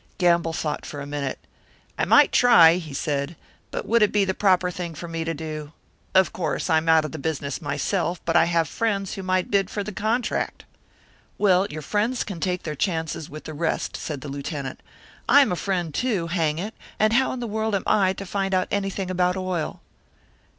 Gamble thought for a minute. "I might try," he said. "But would it be the proper thing for me to do? Of course, I'm out of the business myself; but I have friends who might bid for the contract." "Well, your friends can take their chances with the rest," said the Lieutenant. "I am a friend, too, hang it. And how in the world am I to find out anything about oil?"